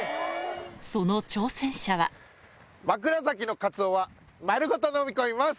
その挑戦者は枕崎のカツオは丸ごとのみ込みます！